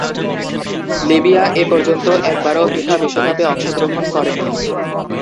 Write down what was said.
Libya এপর্যন্ত একবারও FIFA বিশ্বকাপে অংশগ্রহণ করেনি।